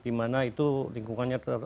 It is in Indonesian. dimana itu lingkungannya